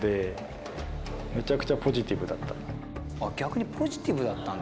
逆にポジティブだったんだ。